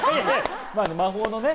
魔法のね。